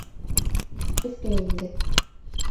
Эскә инде.